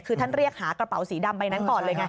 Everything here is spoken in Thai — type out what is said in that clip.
คือท่านเรียกหากระเป๋าสีดำใบนั้นก่อนเลยไง